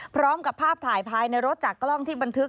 พร้อมกับภาพถ่ายภายในรถจากกล้องที่บันทึก